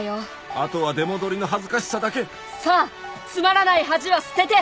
あとは出戻りの恥ずかしさだけさぁつまらない恥は捨てて！